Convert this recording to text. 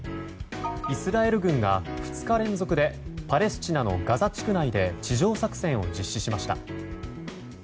イスラエル軍が２日連続でパレスチナのガザ地区内で地上作戦を実施しました。